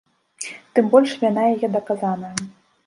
Тым больш, віна яе даказаная.